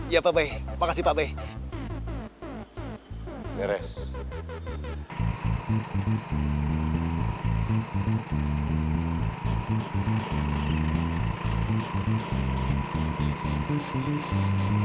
iya pak be makasih pak be